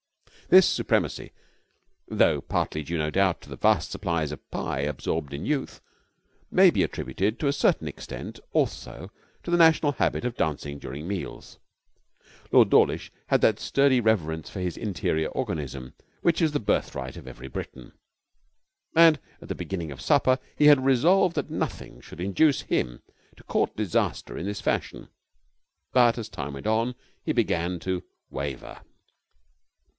This supremacy, though partly due, no doubt, to vast supplies of pie absorbed in youth, may be attributed to a certain extent also to the national habit of dancing during meals. Lord Dawlish had that sturdy reverence for his interior organism which is the birthright of every Briton. And at the beginning of supper he had resolved that nothing should induce him to court disaster in this fashion. But as the time went on he began to waver.